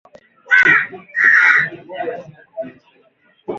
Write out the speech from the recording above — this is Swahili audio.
Kupe husamabaza vijidudu vya ugonjwa wa ndigana baridi